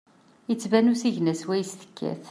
Yettban usigna swayes tekkat.